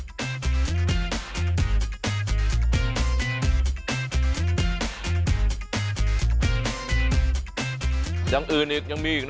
ไม่รอชาติเดี๋ยวเราลงไปพิสูจน์ความอร่อยกันครับ